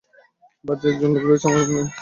বাড়িতে একজন লোক রয়েছে যে আমাকে মেরে ফেলতে চাইছে।